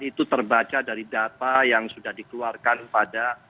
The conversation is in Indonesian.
itu terbaca dari data yang sudah dikeluarkan pada